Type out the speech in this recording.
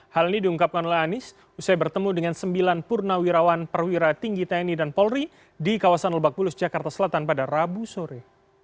hal ini diungkapkan oleh anies usai bertemu dengan sembilan purnawirawan perwira tinggi tni dan polri di kawasan lebak bulus jakarta selatan pada rabu sore